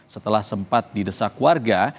setelah sempat didesak warga